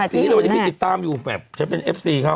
ก็มีหลักสีแต่ว่าพี่ติดตามอยู่แบบเฉพาะเป็นเอฟซีเข้า